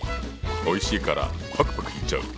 おいしいからパクパクいっちゃう！